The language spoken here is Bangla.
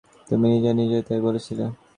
তুমি নিজে নিজেই তাই বলছিলে।